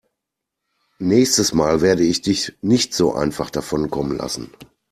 Nächstes Mal werde ich dich nicht so einfach davonkommen lassen.